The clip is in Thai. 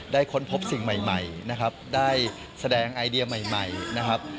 ค้นพบสิ่งใหม่นะครับได้แสดงไอเดียใหม่นะครับ